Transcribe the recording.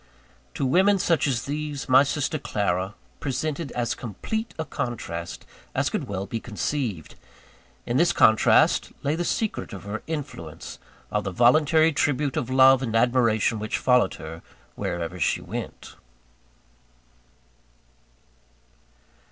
To women such as these, my sister Clara presented as complete a contrast as could well be conceived. In this contrast lay the secret of her influence, of the voluntary tribute of love and admiration which followed her wherever she went.